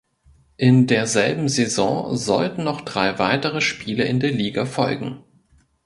In derselben Saison sollten noch drei weitere Spiele in der Liga folgen.